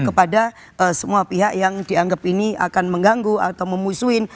kepada semua pihak yang dianggap ini akan mengganggu atau memusuhin